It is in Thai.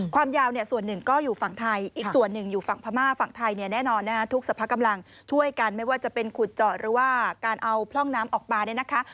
ความยาวเนี่ยส่วนหนึ่งก็อยู่ฝั่งไทยอีกส่วนหนึ่งอยู่ฝั่งพม่าฝั่งไทยเนี่ยแน่นอนนะคะทุกสภากำลังช่วยกันไม่ว่าจะเป็นขุดเจาะหรือว่าการเอาพร่องน้ำออกมาเนี่ยนะคะ